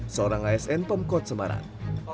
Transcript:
seorang asn pemkot semarang